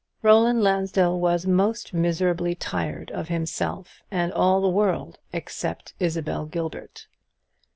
Roland Lansdell was most miserably tired of himself, and all the world except Isabel Gilbert.